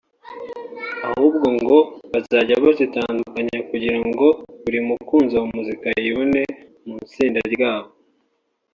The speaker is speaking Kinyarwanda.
ahubwo ngo bazajya bazihinduranya kugira ngo buri mukunzi wa muzika yibone mu itsinda ryabo